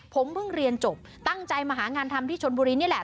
ผมเพิ่งเรียนจบตั้งใจมาหางานทำที่ชนบุรีนี่แหละ